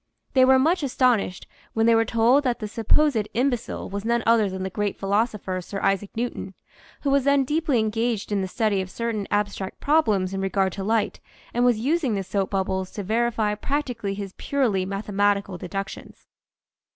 They were much astonished when they were told that the sup posed imbecile was none other than the great philosopher Sir Isaac Newton, who was then deeply engaged in the study of certain abstract problems in regard to light and was using the soap bubbles to verify practically his purely mathematical deductions.